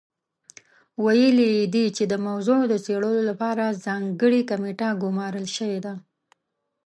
ویلي یې دي چې د موضوع د څېړلو لپاره ځانګړې کمېټه ګمارل شوې ده.